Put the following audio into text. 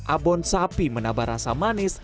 abon sapi menambah rasa manis